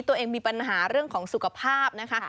ตัวเองมีปัญหาเรื่องของสุขภาพนะคะ